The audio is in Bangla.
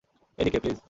এদিকে, প্লিজ।